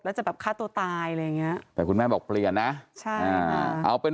แล้วจะแบบฆ่าตัวตายอะไรอย่างเงี้ยแต่คุณแม่บอกเปลี่ยนนะใช่เอาเป็น